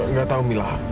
nggak tahu mila